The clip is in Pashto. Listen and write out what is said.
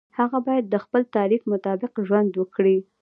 هغه باید د خپل تعریف مطابق ژوند وکړي.